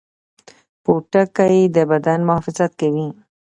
پوټکی د بدن محافظت کوي